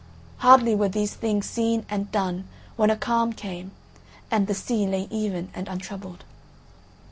Hardly were these things seen and done when a calm came, and the sea lay even and untroubled.